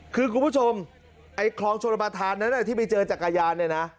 คือคุณผู้ชมไอ้คลองชนประธานนั้นที่ไปเจอจักรยานเนี่ยนะ